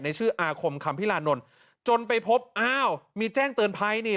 ชื่ออาคมคำพิรานนท์จนไปพบอ้าวมีแจ้งเตือนภัยนี่